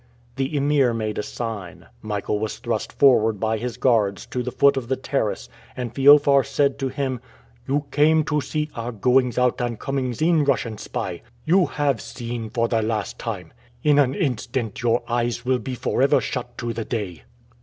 The Emir made a sign. Michael was thrust forward by his guards to the foot of the terrace, and Feofar said to him, "You came to see our goings out and comings in, Russian spy. You have seen for the last time. In an instant your eyes will be forever shut to the day."